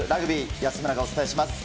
安村がお伝えします。